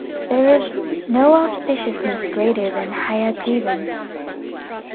There is no auspiciousness greater than Hayagrivan.